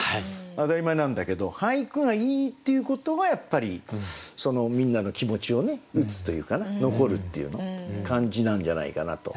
当たり前なんだけど俳句がいいっていうことはやっぱりみんなの気持ちをね打つというかね残るっていう感じなんじゃないかなと。